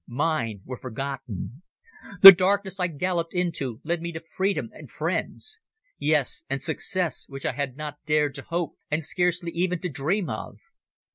Mine were forgotten. The darkness I galloped into led me to freedom and friends. Yes, and success, which I had not dared to hope and scarcely even to dream of.